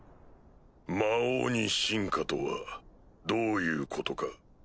魔王に進化とはどういうことか？